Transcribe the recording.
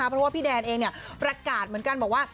เพราะว่าพี่แดนเองประกาศเหมือนกันบอกว่า